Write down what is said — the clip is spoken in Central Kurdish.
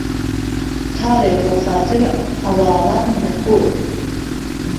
کاڵێ بۆ خاتر عەواڵان لە کۆ